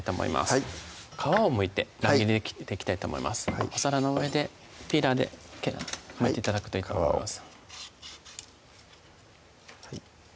はい皮をむいて乱切りで切っていきたいと思いますお皿の上でピーラーでむいて頂くといいと思います